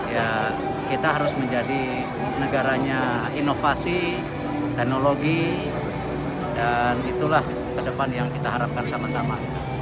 ya kita harus menjadi negaranya inovasi teknologi dan itulah ke depan yang kita harapkan sama sama